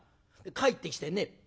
帰ってきてね